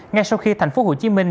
ngay sau khi thành phố hồ chí minh